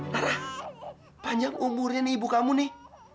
harah panjang umurnya nih ibu kamu nih